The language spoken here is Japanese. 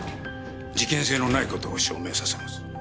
事件性のない事を証明させます。